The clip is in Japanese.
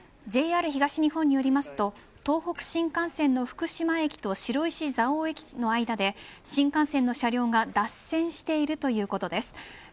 ＪＲ東日本によると東北新幹線の福島駅と白石蔵王駅の間で新幹線の車両が脱線しているということです。